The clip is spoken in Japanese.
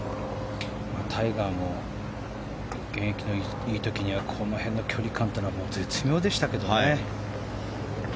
タイガーも現役のいい時にはこの辺の距離感というのが絶妙でしたけどね。